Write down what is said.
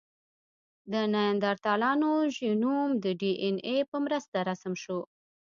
د نیاندرتالانو ژینوم د ډياېناې په مرسته رسم شو.